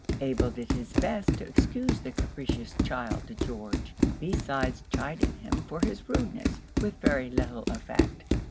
Abel did his best to excuse the capricious child to George, besides chiding him for his rudeness—with very little effect.